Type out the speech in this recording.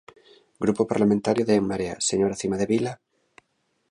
Grupo Parlamentario de En Marea, señora Cimadevila.